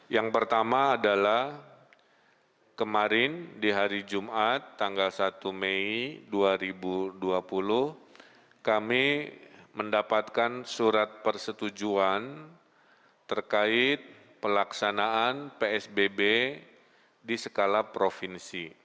yang pertama adalah kemarin di hari jumat tanggal satu mei dua ribu dua puluh kami mendapatkan surat persetujuan terkait pelaksanaan psbb di skala provinsi